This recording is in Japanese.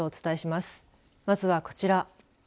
まずはこちら。